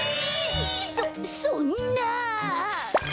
そそんな。